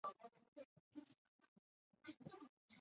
迈尔河畔卢热。